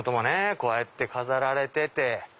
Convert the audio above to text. こうやって飾られてて。